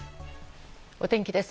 お天気です。